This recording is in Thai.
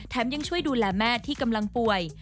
ยังช่วยดูแลแม่ที่กำลังป่วย